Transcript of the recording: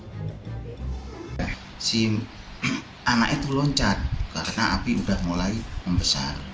dan anak itu loncat karena api sudah mulai membesar